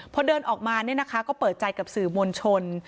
พอเดินออกมาเนี่ยนะคะก็เปิดใจกับสื่อมลชน